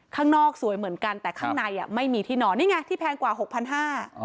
ข้างนอกสวยเหมือนกันแต่ข้างในอ่ะไม่มีที่นอนนี่ไงที่แพงกว่าหกพันห้า